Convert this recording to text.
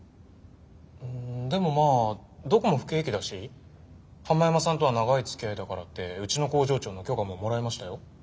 うんでもまあどこも不景気だしハマヤマさんとは長いつきあいだからってうちの工場長の許可ももらえましたよ。